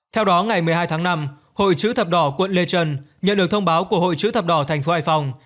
theo đó ngày một mươi hai tháng năm hội chữ thập đỏ quận lê trân nhận được thông báo của hội chữ thập đỏ tp hải phòng